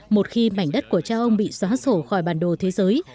một khi mảnh đất của cha ông bị xóa sổ khỏi bản đồ thế giới